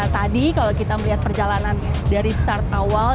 tadi kalau kita melihat perjalanan dari start awal